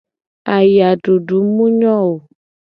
Ayadudu mu nyo o.